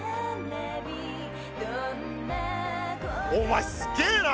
お前すげえな！